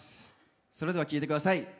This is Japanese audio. それでは聴いてください。